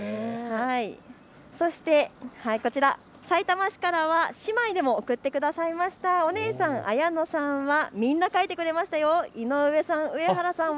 そしてさいたま市からは姉妹で送ってくださいましたお姉さん、あやのさんはみんなを描いてくれました。